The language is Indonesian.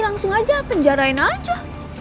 langsung aja penjarain aja